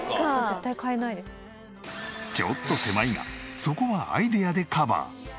ちょっと狭いがそこはアイデアでカバー。